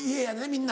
みんな。